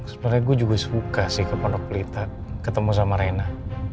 sebenarnya gue juga suka sih ke pondok pelita ketemu sama rena